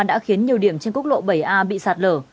đã khiến nhiều điểm trên quốc lộ bảy a bị sạt lở